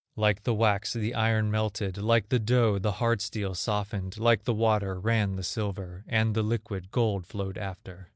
Like the wax the iron melted, Like the dough the hard steel softened, Like the water ran the silver, And the liquid gold flowed after.